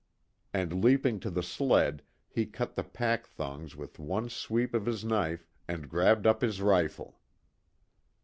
And leaping to the sled, he cut the pack thongs with one sweep of his knife and grabbed up his rifle.